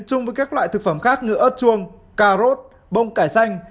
chung với các loại thực phẩm khác như ớt chuông cà rốt bông cải xanh